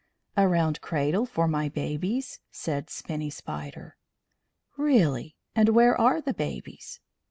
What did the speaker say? "A round cradle for my babies," said Spinny Spider. "Really! And where are the babies?"